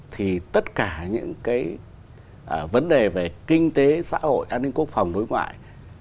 thì tất cả những cái vấn đề về kinh tế xã hội an ninh quốc phòng đối ngoại